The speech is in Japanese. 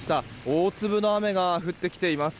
大粒の雨が降ってきています。